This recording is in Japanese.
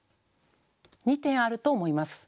２点あると思います。